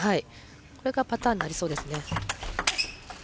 これがパターンになりそうですね。